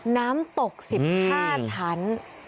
น้ำตก๑๕ชั้น